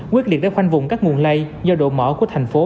quyết liệt để khoanh vùng các nguồn lây do độ mở của thành phố rất lớn